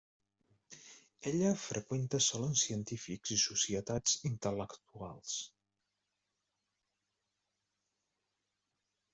Ella freqüenta salons científics i societats intel·lectuals.